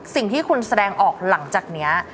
สิ่งที่คุณแสดงออกหลังจากนี้